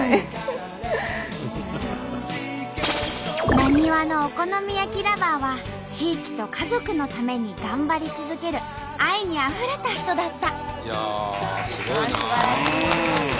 なにわのお好み焼きＬｏｖｅｒは地域と家族のために頑張り続ける愛にあふれた人だった！